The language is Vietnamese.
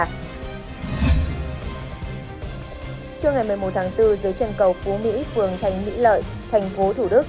trưa ngày một mươi một tháng bốn dưới chân cầu phú mỹ phường thành mỹ lợi thành phố thủ đức